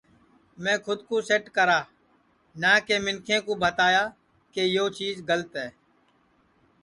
میں کھود کُو سیٹ کرا نہ کہ منکھیں کُو بھتایا کہ یہ چیجا گلت ہے